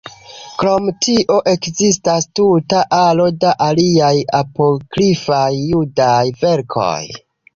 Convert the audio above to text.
Krom tio ekzistas tuta aro da aliaj Apokrifaj Judaj verkoj.